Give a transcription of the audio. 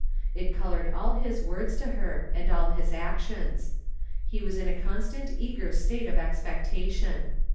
It colored all his words to her, and all Ms actions. He was in a constant eager state of expectation.